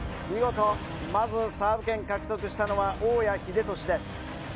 まずサーブ権獲得したのは大矢英俊です。